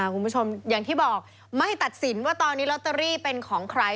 คุณผู้ชมอย่างที่บอกไม่ตัดสินว่าตอนนี้ลอตเตอรี่เป็นของใคร